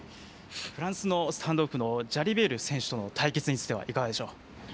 フランスのスタンドオフのジャリベール選手との対決についてはいかがでしょう。